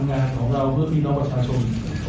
งานของเราเพื่อพี่น้องประชาชน